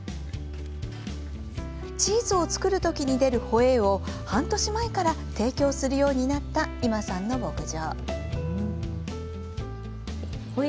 チーズを作る時に出るホエーを半年前から提供するようになった今さんの牧場。